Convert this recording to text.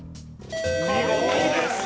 見事です。